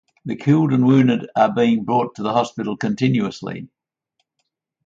The killed and wounded are being brought to the hospital continuously.